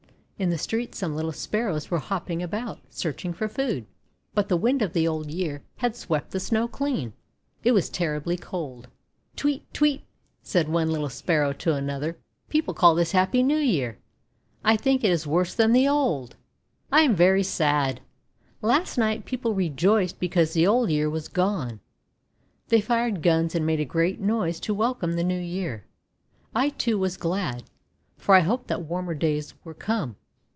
In the street some little Sparrows were hopping about, search ing for food; but the Wind of the Old Year had swept the Snow clean. It was terribly cold. 'Tweet! Tweet !': said one little Sparrow to another. :< People call this the Happy New Year! I think it is worse than the Old! I am very sad! Last night people rejoiced because the Old Year was gone. They fired guns and made a great noise to welcome the New Year. I, too, was glad, for I hoped that warmer days were come.